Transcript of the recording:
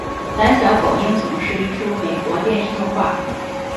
胆小狗英雄是一出美国电视动画。